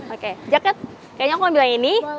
oke jaket kayaknya aku ambil yang ini